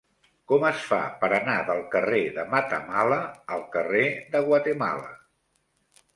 Com es fa per anar del carrer de Matamala al carrer de Guatemala?